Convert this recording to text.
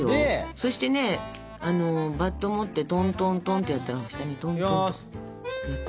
そしてねバット持ってトントントンってやったら下にトントンって。